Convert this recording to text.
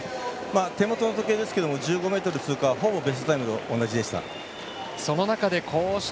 手元の時計ですけれども１５ｍ通過はほぼベストタイムと同じでした。